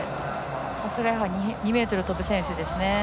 さすが２ｍ跳ぶ選手ですね。